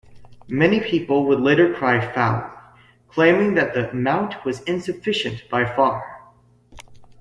Many people would later cry foul, claiming that the amount was insufficient by far.